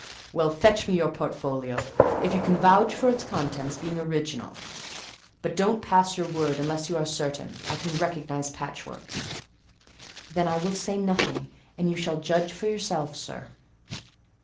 Well, fetch me your portfolio, if you can vouch for its contents being original; but don't pass your word unless you are certain: I can recognise patchwork." "Then I will say nothing, and you shall judge for yourself, sir."